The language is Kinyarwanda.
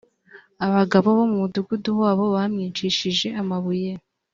abagabo bo mu mudugudu wabo bamwicishe amabuye